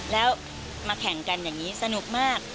แล้วมาแข่งกันอย่างนี้สนุกมาก